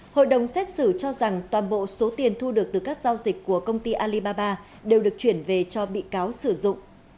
hội đồng xét xử cho rằng toàn bộ số tiền thu được từ các giao dịch của công ty alibaba đều được chuyển về cho bị cáo sử dụng